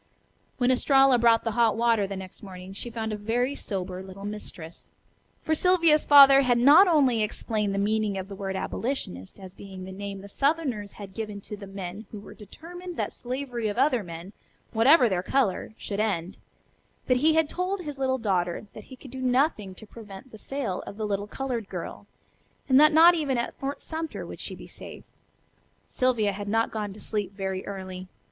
When Estralla brought the hot water the next morning she found a very sober little mistress. For Sylvia's father had not only explained the meaning of the word "abolitionist" as being the name the southerners had given to the men who were determined that slavery of other men, whatever their color, should end, but he had told his little daughter that he could do nothing to prevent the sale of the little colored girl, and that not even at Fort Sumter would she be safe. Sylvia had not gone to sleep very early.